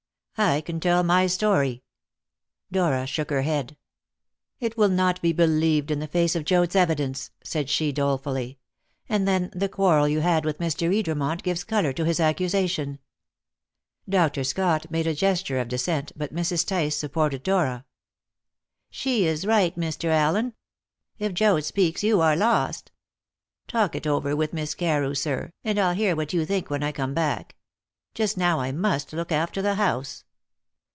"I can tell my story." Dora shook her head. "It will not be believed in the face of Joad's evidence," said she dolefully. "And then the quarrel you had with Mr. Edermont gives colour to his accusation." Dr. Scott made a gesture of dissent, but Mrs. Tice supported Dora. "She is right, Mr. Allen. If Joad speaks you are lost. Talk it over with Miss Carew, sir, and I'll hear what you think when I come back. Just now I must look after the house."